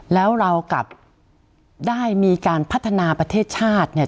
แล้วเรากลับได้มีการพัฒนาประเทศชาติเนี่ย